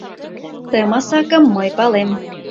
Ты масакым мый палем.